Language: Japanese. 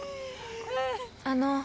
あの。